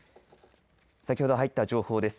先ほど入った情報です。